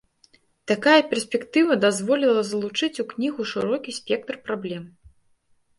Такая перспектыва дазволіла залучыць у кнігу шырокі спектр праблем.